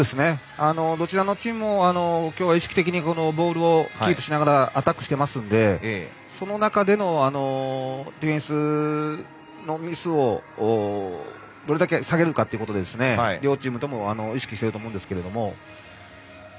どちらのチームもきょうは意識的にボールをキープしながらアタックしていますのでその中でのディフェンスのミスをどれだけ下げるかということを両チームとも意識してると思うんですけれども。